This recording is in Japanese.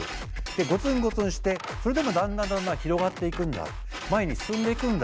ゴツンゴツンしてそれでもだんだんだんだん広がっていくんだ前に進んでいくんだ。